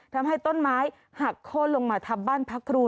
ทำให้ต้นไม้หักโค้นลงมาทับบ้านพักครู